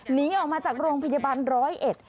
หนีออกมาจากโรงพยาบาลร้อยเอ็ด